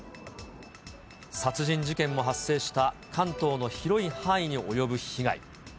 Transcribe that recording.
殺人事件も発生した関東の広い範囲に及ぶ被害。